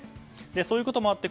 そういうこともあって